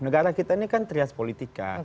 negara kita ini kan trias politika